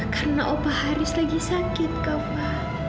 karena opa haris sedang sakit kava